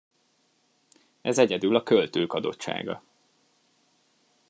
Ez egyedül a költők adottsága.